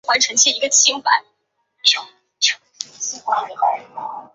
莱茵兰足球联赛是辖下的顶级足球联赛以及德国足球联赛系统中的第六级赛事。